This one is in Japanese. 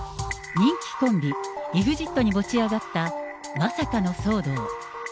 人気コンビ、ＥＸＩＴに持ち上がったまさかの騒動。